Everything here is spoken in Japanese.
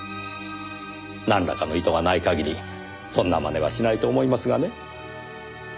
なんらかの意図がない限りそんな真似はしないと思いますがね。